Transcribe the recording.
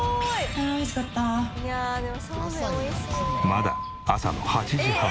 まだ朝の８時半。